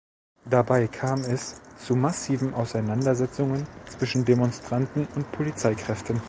Dabei kam es zu massiven Auseinandersetzungen zwischen Demonstranten und Polizeikräften.